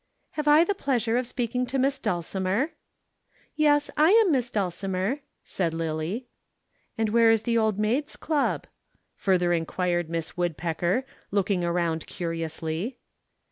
"Have I the pleasure of speaking to Miss Dulcimer?" "Yes, I am Miss Dulcimer," said Lillie. "And where is the Old Maids' Club?" further inquired Miss Woodpecker, looking around curiously.